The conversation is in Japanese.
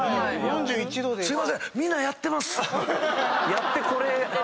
やってこれ。